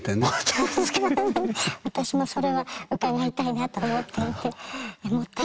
私もそれは伺いたいなと思っていて。